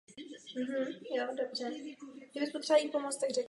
Gabriel dále získal Grammy ve stejné kategorii za své „Secret World Live“ video.